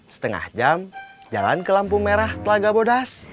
setengah jam jalan ke lampu merah telaga bodas